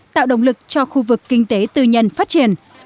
tạo động lực cho khu vực kinh tế tư nhân phát triển